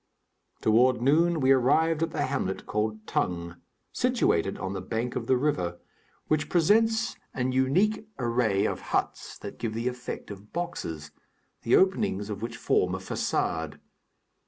Toward noon we arrived at the hamlet called Tongue situated on the bank of the river which presents an unique array of huts that give the effect of boxes, the openings of which form a façade.